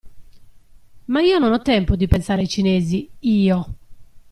Ma io non ho tempo di pensare ai cinesi, io!